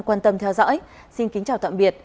quan tâm theo dõi xin kính chào tạm biệt